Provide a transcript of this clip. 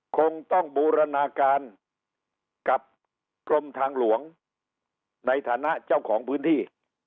คงต้องบูรณาการกับกรมทางหลวงในฐานะเจ้าของพื้นที่